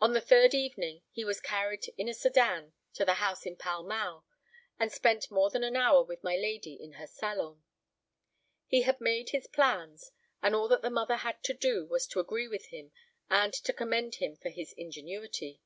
On the third evening he was carried in a sedan to the house in Pall Mall, and spent more than an hour with my lady in her salon. He had made his plans, and all that the mother had to do was to agree with him and to commend him for his ingenuity.